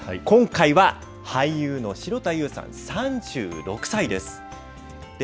今回は俳優の城田優さん３６歳です。